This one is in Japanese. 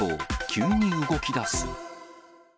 急に動きだす。